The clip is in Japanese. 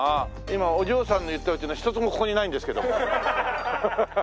今お嬢さんの言ったうちの一つもここにないんですけども。